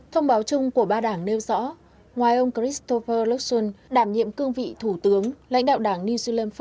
thông báo chung của ba đảng nêu rõ ngoài ông christopher luxon đảm nhiệm cương vị thủ tướng lãnh đạo đảng new zealand fir